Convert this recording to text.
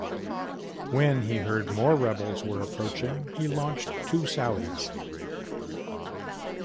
When he heard more rebels were approaching he launched two sallies.